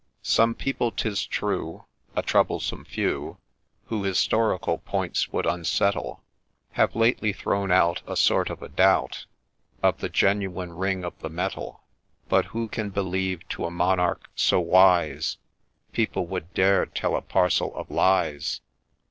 Some people, 'tis true, a troublesome few, Who historical points would unsettle, Have lately thrown out a sort of a doubt Of the genuine ring of the metal ; But who can believe to a monarch so wise People would dare tell a parcel of lies